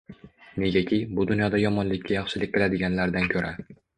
Negaki, bu dunyoda yomonlikka yaxshilik qiladiganlardan ko’ra